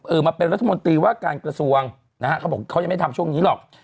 มาเป็นรัฐมนตรีว่าการกระทรวงนะฮะเขาบอกเขายังไม่ทำช่วงนี้หรอก